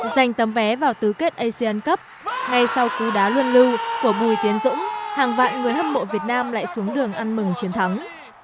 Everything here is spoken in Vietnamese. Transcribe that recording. dành tấm vé vào tứ kết asean cup ngay sau cú đá luân lưu của bùi tiến dũng hàng vạn người hâm mộ việt nam lại xuống đường ăn mừng chiến thắng